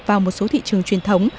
vào một số thị trường truyền thống